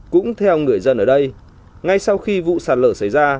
cũng theo người dân ở đây ngay sau khi vụ sạt lở xảy ra